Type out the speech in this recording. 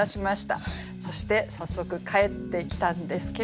そして早速返ってきたんですけれどもうん。